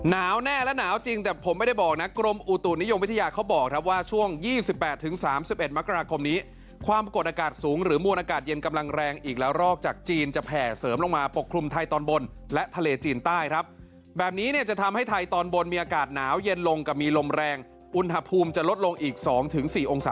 แน่และหนาวจริงแต่ผมไม่ได้บอกนะกรมอุตุนิยมวิทยาเขาบอกครับว่าช่วง๒๘๓๑มกราคมนี้ความกดอากาศสูงหรือมวลอากาศเย็นกำลังแรงอีกแล้วรอกจากจีนจะแผ่เสริมลงมาปกคลุมไทยตอนบนและทะเลจีนใต้ครับแบบนี้เนี่ยจะทำให้ไทยตอนบนมีอากาศหนาวเย็นลงกับมีลมแรงอุณหภูมิจะลดลงอีก๒๔องศา